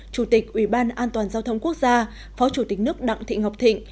chủ tịch ủy ban an toàn giao thông quốc gia phó chủ tịch nước đặng thị ngọc thịnh